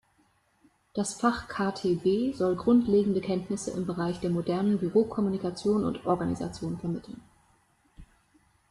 Das Fach KtB soll grundlegende Kenntnisse im Bereich der modernen Bürokommunikation und -organisation vermitteln.